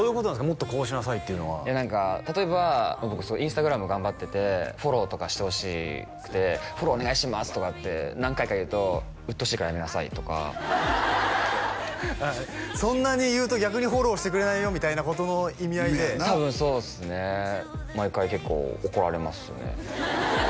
もっとこうしなさいっていうのは例えば僕Ｉｎｓｔａｇｒａｍ頑張っててフォローとかしてほしくて「フォローお願いします」とかって何回か言うと「うっとうしいからやめなさい」とか「そんなに言うと逆にフォローしてくれないよ」みたいなことの意味合いで多分そうっすね毎回結構怒られますね